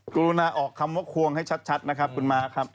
กรุณาออกคำว่าควงให้ชัดนะครับคุณม้าครับ